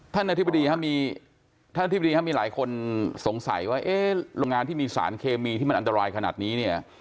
ท่านอธิบดีครับมีหลายคนสงสัยว่าโรงงานที่มีสารเคมีที่มันอันตรายขนาดนี้